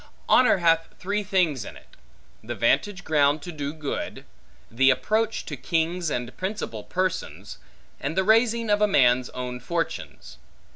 Honor hath three things in it: the vantage ground to do good; the approach to kings and principal persons; and the raising of a man's own fortunes.